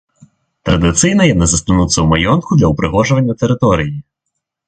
Традыцыйна яны застануцца ў маёнтку для ўпрыгожвання тэрыторыі.